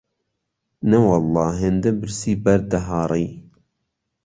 نەوەڵڵا هێندە برسی بەرد دەهاڕی